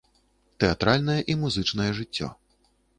Тэатральнае і музычнае жыццё.